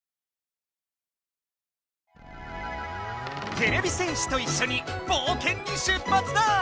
てれび戦士といっしょにぼうけんに出ぱつだ！